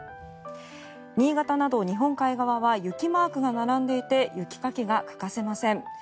新潟など日本海側は雪マークが並んでいて雪かきが欠かせません。